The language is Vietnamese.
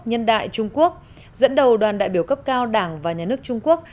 nhân đại trung quốc dẫn đầu đoàn đại biểu cấp cao đảng và nhà nước trung quốc